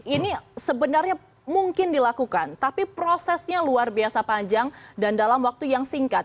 ini sebenarnya mungkin dilakukan tapi prosesnya luar biasa panjang dan dalam waktu yang singkat